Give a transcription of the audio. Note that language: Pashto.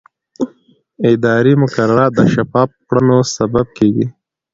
اداري مقررات د شفافو کړنو سبب کېږي.